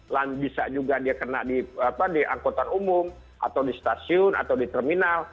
dan bisa juga dia kena di angkutan umum atau di stasiun atau di terminal